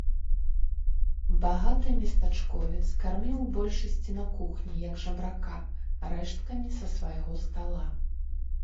Багаты местачковец карміў у большасці на кухні, як жабрака, рэшткамі са свайго стала.